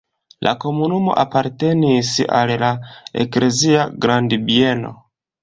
La komunumo apartenis al la eklezia grandbieno.